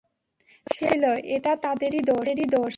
সে বলেছিল, এটা তাদেরই দোষ!